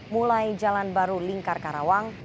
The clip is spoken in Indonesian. mulai jalan baru lingkar karawang